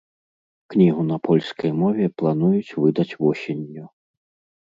Кнігу на польскай мове плануюць выдаць восенню.